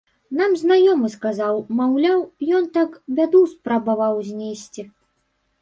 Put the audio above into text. Нам знаёмы сказаў, маўляў, ён так бяду спрабаваў знесці.